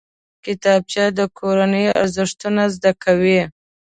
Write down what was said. کتابچه د کورنۍ ارزښتونه زده کوي